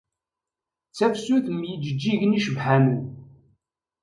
D tafsut mm yijeǧǧigen icebḥanen.